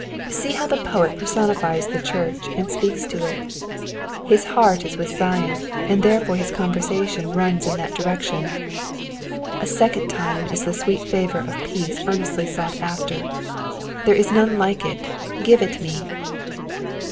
''^ See how the poet personifies the church, and speaks to it : his heart is with Zion, and therefore his conversation runs in that direction. A second time is the sweet favour of peace earnestly sought after: "There is none like it, give it me."